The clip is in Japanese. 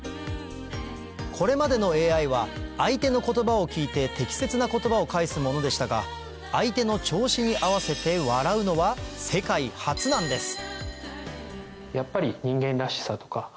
これまでのＡＩは相手の言葉を聞いて適切な言葉を返すものでしたが相手の調子に合わせて笑うのは世界初なんですやっぱり。